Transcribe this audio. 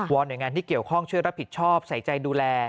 อนหน่วยงานที่เกี่ยวข้องช่วยรับผิดชอบใส่ใจดูแล